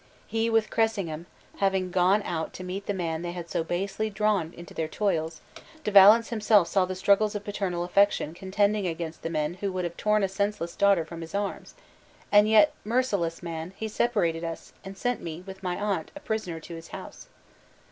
He, with Cressingham, having gone out to meet the man they had so basely drawn into their toils, De Valence himself saw the struggles of paternal affection contending against the men who would have torn a senseless daughter from his arms, and yet, merciless man! he separated us, and sent me, with my aunt, a prisoner to his house.